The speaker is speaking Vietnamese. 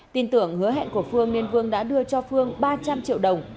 tin tưởng hứa hẹn của phương nên vương đã đưa cho phương ba trăm linh triệu đồng